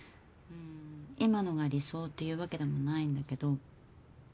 今のが理想っていうわけでもないんだけど。